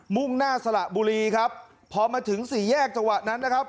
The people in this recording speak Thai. ่งหน้าสละบุรีครับพอมาถึงสี่แยกจังหวะนั้นนะครับ